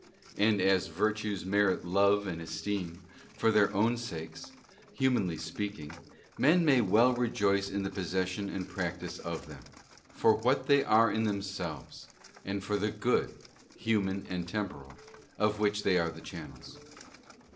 And as virtues merit love and esteem, for their own sakes, humanly speaking, men may well rejoice in the possession and practice of them, for what they are in themselves, and for the good, human and temporal, of which they are the channels.